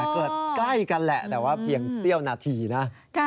ใกล้กันแหละแต่ว่าเพียงเสี้ยวนาทีนะ